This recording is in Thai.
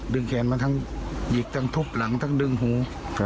แขนมาทั้งหยิกทั้งทุบหลังทั้งดึงหู